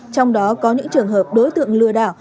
trong đó có những trường hợp đối tượng lừa đảo